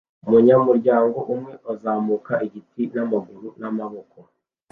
Umunyamuryango umwe azamuka igiti n'amaguru n'amaboko